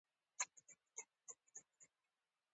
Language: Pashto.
نن به په مسجدالحرام کې لمونځ کوو.